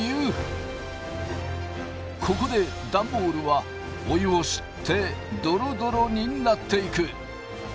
ここでダンボールはお湯を吸ってドロドロになっていく。